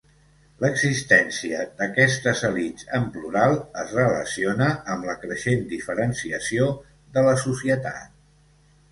L'existència d'aquestes elits en plural es relaciona amb la creixent diferenciació de la societat.